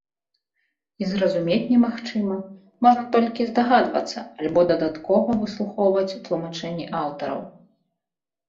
І зразумець немагчыма, можна толькі здагадвацца альбо дадаткова выслухоўваць тлумачэнні аўтараў.